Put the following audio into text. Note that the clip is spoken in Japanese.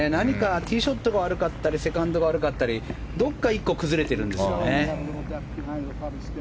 ティーショットが悪かったりセカンドが悪かったりどこか１個崩れてるんですよね。